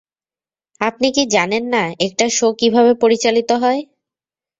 আপনি কি জানেন না একটা শো কিভাবে পরিচালিত হয়?